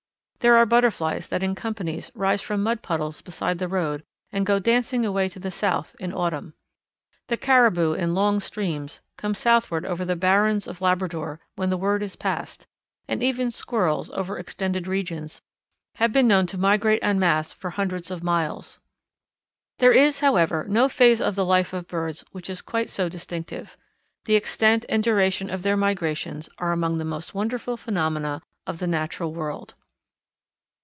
There are butterflies that in companies rise from mud puddles beside the road and go dancing away to the South in autumn. The caribou, in long streams, come southward over the barrens of Labrador when the word is passed, and even squirrels, over extended regions, have been known to migrate en masse for hundreds of miles. There is, however, no phase of the life of birds which is quite so distinctive. The extent and duration of their migrations are among the most wonderful phenomena of the natural world.